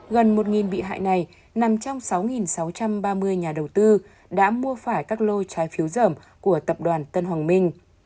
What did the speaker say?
gần một bị hại này nằm trong sáu sáu trăm ba mươi nhà đầu tư đã mua phải các lô trái phiếu dởm của tập đoàn tân hoàng minh